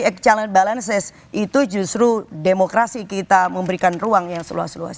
ex challenge balances itu justru demokrasi kita memberikan ruang yang seluas luas